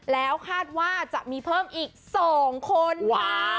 แล้วคาดว่าจะมีเพิ่มอีก๒คนค่ะ